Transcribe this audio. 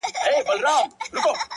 ايوب مايوس دی او خوشال يې پر څنگل ژاړي;